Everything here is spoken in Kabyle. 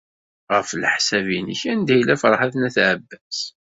Ɣef leḥsab-nnek, anda yella Ferḥat n At Ɛebbas?